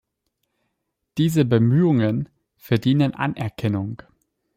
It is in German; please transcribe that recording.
Diese Bemühungen verdienen Anerkennung.